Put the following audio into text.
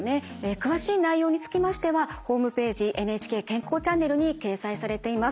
詳しい内容につきましてはホームページ「ＮＨＫ健康チャンネル」に掲載されています。